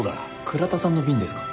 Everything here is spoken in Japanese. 倉田さんの便ですか？